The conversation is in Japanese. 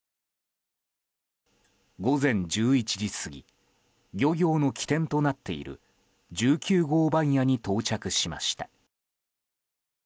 午前１１時過ぎ漁業の基点となっている１９号番屋に到着しました。